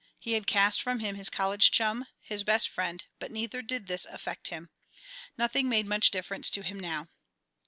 He had cast from him his college chum, his best friend, but neither did this affect him. Nothing made much difference to him now.